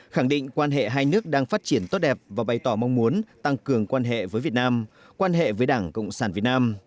khẳng định quan hệ hai nước đang phát triển tốt đẹp và bày tỏ mong muốn tăng cường quan hệ với việt nam quan hệ với đảng cộng sản việt nam